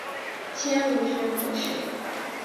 迁武学博士。